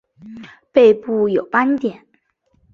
背部有斑点。